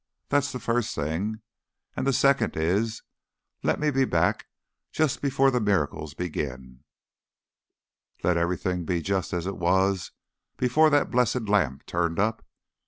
That's the first thing. And the second is let me be back just before the miracles begin; let everything be just as it was before that blessed lamp turned up.